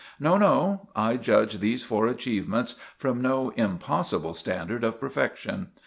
No, no—I judge these four achievements from no impossible standard of perfection.